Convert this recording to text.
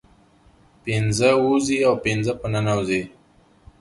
پنځه ووزي او پنځه په ننوزي